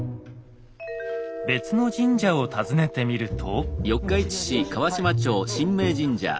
別の神社を訪ねてみると。